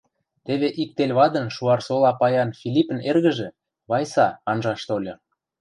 Теве ик тел вадын Шуарсола паян Филиппӹн эргӹжӹ, Вайса, анжаш тольы.